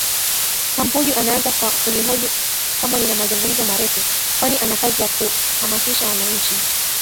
Kapunju anaanza kwa kunihoji kama nina mazungumzo marefu kwani ana kazi ya kuhamasisha wananchi